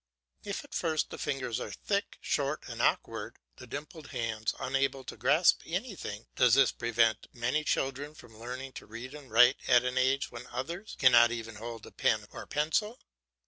If at first the fingers are thick, short, and awkward, the dimpled hands unable to grasp anything, does this prevent many children from learning to read and write at an age when others cannot even hold a pen or pencil?